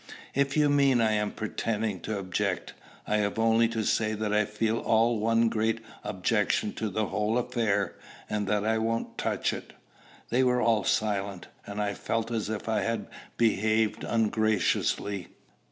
"If you mean I am pretending to object, I have only to say that I feel all one great objection to the whole affair, and that I won't touch it." They were all silent; and I felt as if I had behaved ungraciously.